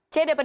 c dapat dua